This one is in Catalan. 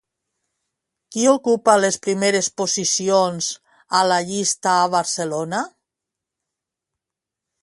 Qui ocupa les primeres posicions a la llista a Barcelona?